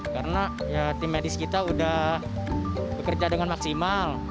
karena ya tim medis kita udah bekerja dengan maksimal